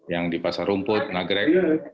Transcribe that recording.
yang di pasar rumput nagrek